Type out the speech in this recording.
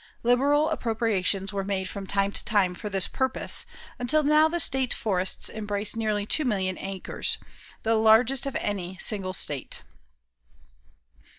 Liberal appropriations were made from time to time for this purpose, until now the state forests embrace nearly 2,000,000 acres, the largest of any single state.